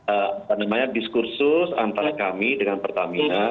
apa namanya diskursus antara kami dengan pertamina